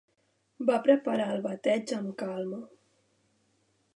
Va preparar el bateig am calma